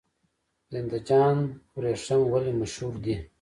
زنده جان وریښم ولې مشهور دي؟